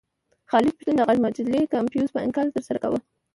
خالد پښتون د غږ مجلې کمپوز په انکل ترسره کاوه.